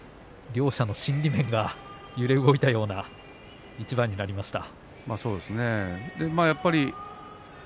両者の心理面が揺れ動いたような一番になりました。